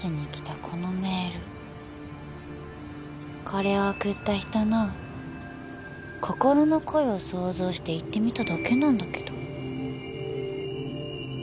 これを送った人の心の声を想像して言ってみただけなんだけど。